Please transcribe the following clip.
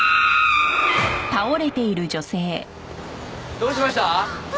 どうしました？